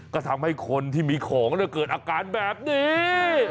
ก็ทำให้คนที่มีของเกิดอาการแบบนี้